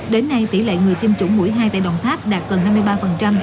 đến nay tỷ lệ người tiêm chủng mũi hai tại đồng tháp đạt gần năm mươi ba